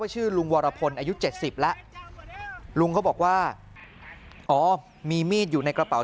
ชื่อลุงวรพลอายุ๗๐แล้วลุงเขาบอกว่าอ๋อมีมีดอยู่ในกระเป๋า